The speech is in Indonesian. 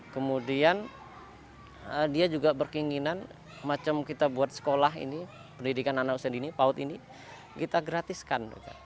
kemudian dia juga berkeinginan macam kita buat sekolah ini pendidikan anak usia dini paut ini kita gratiskan